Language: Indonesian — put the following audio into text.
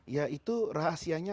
ya itu rahasianya